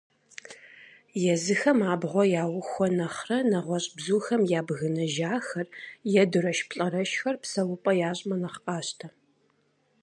Езыхэм абгъуэ яухуэ нэхърэ, нэгъуэщӀ бзухэм ябгынэжахэр е дурэшплӀэрэшхэр псэупӀэ ящӀмэ нэхъ къащтэ.